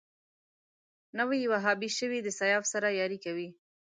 نوی وهابي شوی د سیاف سره ياري کوي